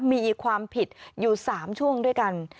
มีความผิดอยู่๓ช่วงด้วยกัน